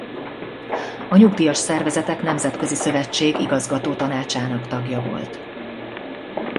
A Nyugdíjas Szervezetek Nemzetközi Szövetség igazgatótanácsának tagja volt.